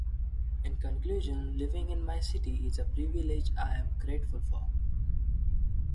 In conclusion, living in my city is a privilege I am grateful for.